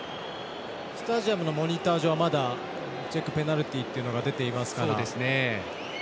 スタジアムのモニター上はチェックペナルティーというのが出ていますから。